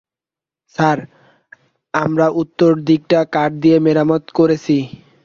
Sir, আমরা উত্তর দিকটা কাঠ দিয়ে মেরামত করেছি।